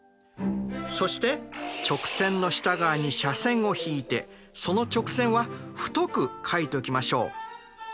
そして直線の下側に斜線を引いてその直線は太く書いておきましょう。